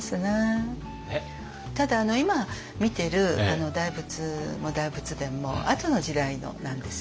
ただ今見ている大仏も大仏殿もあとの時代のなんですよね。